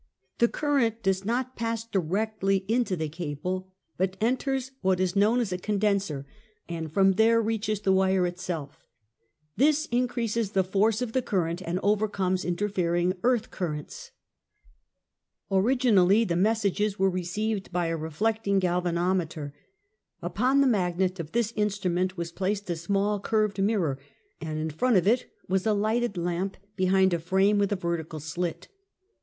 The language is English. The current does not pass directly into the cable, but enters what is known as a condenser, and from there reaches the wire itself. This increases the force of the current and overcomes interfering earth currents. Originally the messages were received by a reflecting galvanometer. Upon the magnet of this instrument was placed a small curved mirror, and in front of it was a lighted lamp behind a frame with a vertical slit.